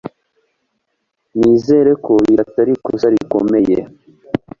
Nizere ko iri atari ikosa rikomeye